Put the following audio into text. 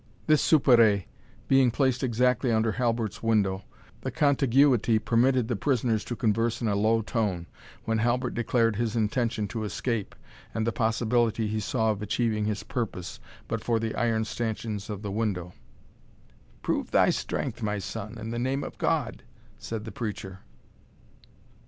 This soupirait being placed exactly under Halbert's window, the contiguity permitted the prisoners to converse in a low tone, when Halbert declared his intention to escape, and the possibility he saw of achieving his purpose, but for the iron stanchions of the window "Prove thy strength, my son, in the name of God" said the preacher.